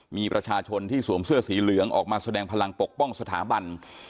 มีประชาชนที่สวมเสื้อสีเหลืองออกมาแสดงพลังปกป้องสถาบัน